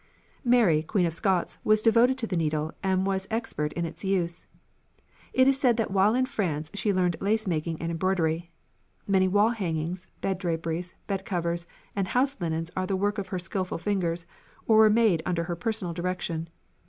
Mary, Queen of Scots, was devoted to the needle and was expert in its use. It is said that while in France she learned lace making and embroidery. Many wall hangings, bed draperies, bedcovers, and house linens are the work of her skilful fingers, or were made under her personal direction.